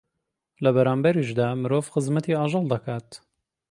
لە بەرانبەریشیدا مرۆڤ خزمەتی ئاژەڵ دەکات